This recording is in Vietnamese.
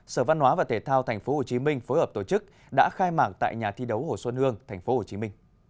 sở văn hóa và thể thao tp hcm phối hợp tổ chức đã khai mạng tại nhà thi đấu hồ xuân hương tp hcm